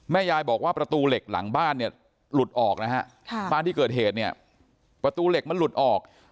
ยายบอกว่าประตูเหล็กหลังบ้านเนี่ยหลุดออกนะฮะบ้านที่เกิดเหตุเนี่ยประตูเหล็กมันหลุดออก